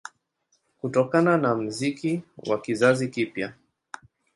Kutokana na muziki wa kizazi kipya